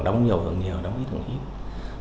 đóng nhiều hưởng nhiều đóng ít hưởng ít